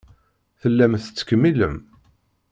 Tellam tettkemmilem.